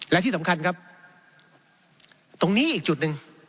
และที่สำคัญครับตรงนี้อีกจุดหนึ่ง